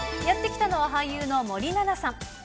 やって来たのは俳優の森七菜さん。